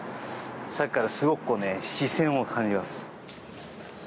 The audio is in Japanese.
さっきからすごく視線を感じます。